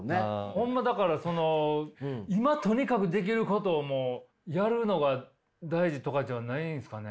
ホンマだからその今とにかくできることをもうやるのが大事とかじゃないんですかね。